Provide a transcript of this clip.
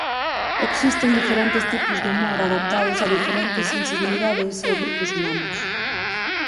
Existen diferentes tipos de humor adaptados a diferentes sensibilidades e grupos humanos.